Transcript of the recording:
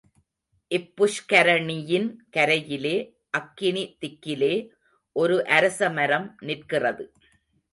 இப்புஷ்கரிணியின் கரையிலே அக்கினிதிக்கிலே ஒரு அரசமரம் நிற்கிறது.